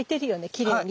きれいに。